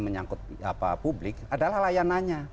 menyangkut publik adalah layanannya